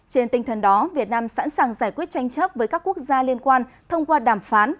trên tinh thần đó việt nam sẵn sàng giải quyết tranh chấp với các quốc gia liên quan thông qua đàm phán